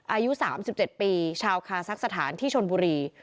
อายุ๓๗ปีชาวคาซักสถานที่ชนบุรี